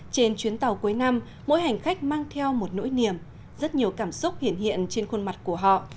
trên chuyến tàu cuối năm mỗi hành khách mang theo một nỗi niềm rất nhiều cảm xúc hiển hiện hiện trên khuôn mặt của họ